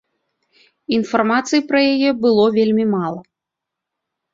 Інфармацыі пра яе было вельмі мала.